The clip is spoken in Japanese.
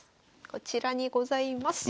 こちらにございます。